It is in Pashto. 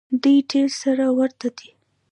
دوی ډېر سره ورته دي.